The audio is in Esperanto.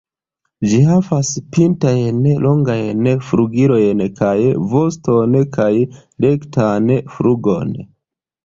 Ĝi havas pintajn longajn flugilojn kaj voston kaj rektan flugon.